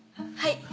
はい。